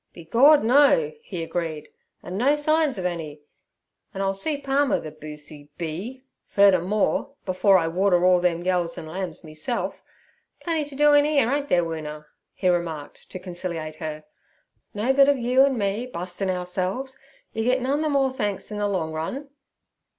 'Be Gord, no!' he agreed, 'an' no signs ov any. An' I'll see Palmer, ther boosy b—furdermore, afore I water all them yeos an' lambs meself. Plenty t' do in 'ere, ain't there, Woona?' he remarked to conciliate her. 'No good ov you, and me bustin' ourselves. Yer git none ther more thanks in ther long run.'